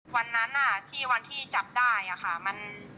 วันนั้นที่จับได้ค่ะ